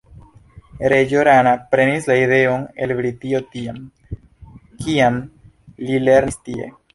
Reĝo Rama prenis la ideon el Britio tiam, kiam li lernis tie.